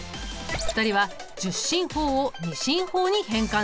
２人は１０進法を２進法に変換したんだ。